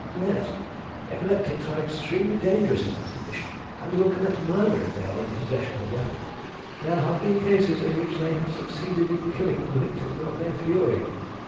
"Yes, epileptics are extremely dangerous in that condition, and will commit murder if they are in possession of a weapon. There have been cases in which they have succeeded in killing the victims of their fury."